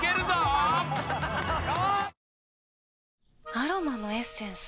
アロマのエッセンス？